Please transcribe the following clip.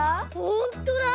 ほんとだ！